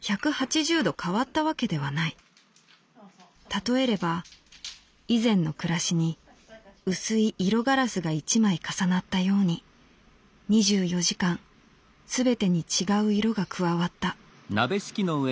たとえれば以前の暮らしに薄い色ガラスが一枚重なったように二十四時間すべてに違う色が加わった」。